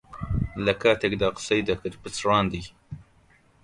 لەکاتێکدا قسەی دەکرد پچڕاندی.